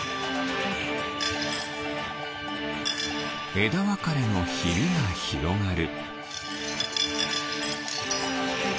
えだわかれのヒビがひろがる。